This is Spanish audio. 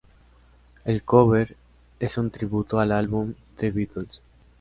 El cover es un tributo al álbum The Beatles.